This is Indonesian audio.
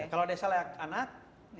kalau desa layak anak